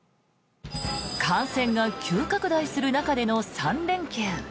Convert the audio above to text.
感染が急拡大する中での３連休。